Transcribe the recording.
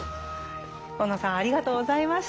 小野さんありがとうございました。